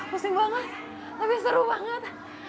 pusing banget tapi seru banget